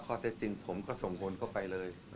ครับ